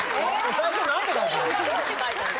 最初何て書いたん？